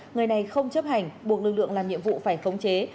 người này không chấp hành buộc lực lượng làm nhiệm vụ phải khống chế